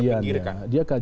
ya dia kan mestinya kan kajian